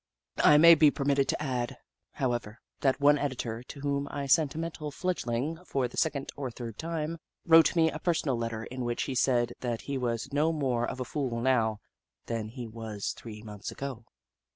I may be permitted to add, how ever, that one editor, to whom I sent a mental fledghng for the second or third time, wrote me a personal letter in which he said that he was no more of a fool now than he was three months aofo.